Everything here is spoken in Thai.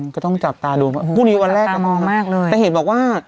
ก็ต้องจับตาดูพรุ่งนี้วันแรกจะมองมากเลยแต่เห็นบอกว่า